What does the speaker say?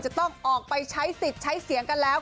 จะต้องออกไปใช้สิทธิ์ใช้เสียงกันแล้ว